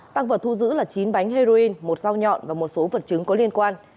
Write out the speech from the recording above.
tăng vật thu giữ là chín bánh heroin một dao nhọn và một số vật chứng có liên quan